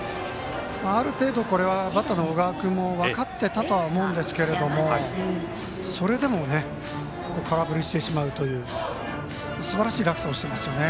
ある程度これはバッターの小川君も分かってたとは思うんですけれども、それでも空振りしてしまうというすばらしい落差をしていますよね。